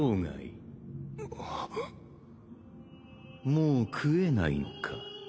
もう喰えないのか？